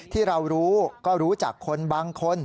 ที่เรารู้ก็รู้จักคนบางคน